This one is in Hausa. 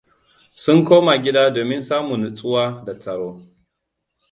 Sun koma gida domin samun nutsuwa da tsaro.